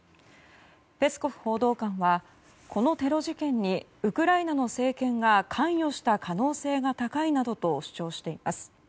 ペスコフ報道官はこのテロ事件にウクライナの政権が関与した可能性が高いなどと主張しています。